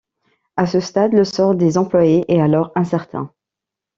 À ce stade, le sort des employés est alors incertain.